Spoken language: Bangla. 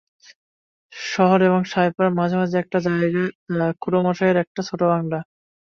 শহর এবং সাহেবপাড়ার মাঝামাঝি একটা জায়গায় খুড়োমশায়ের একটি ছোটো বাংলা।